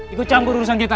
ikut campur urusan kita